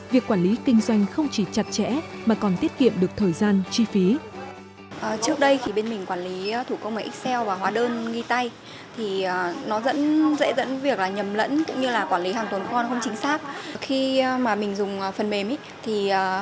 việc quản lý kinh doanh không chỉ chặt chẽ mà còn tiết kiệm được thời gian chi phí